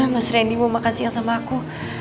mas randy mau makan siang sama aku